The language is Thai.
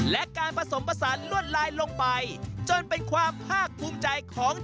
และการผสมผสานลวดลายลงไปจนเป็นความภาคภูมิใจของ